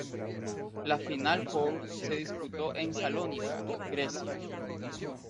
La Final Four se disputó en Salónica, Grecia.